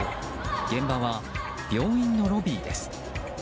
現場は病院のロビーです。